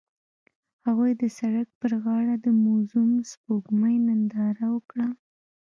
هغوی د سړک پر غاړه د موزون سپوږمۍ ننداره وکړه.